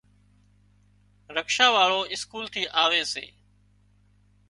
رڪشا واۯو اسڪول ٿي آوي سي۔